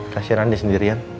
kasih randai sendirian